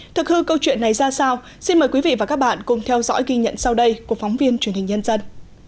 thực hư câu chuyện này ra sao xin mời quý vị và các bạn cùng theo dõi ghi nhận sau đây của phóng viên truyền hình nhân dân